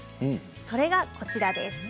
それが、こちらです。